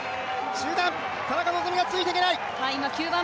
集団、田中希実がついていけない。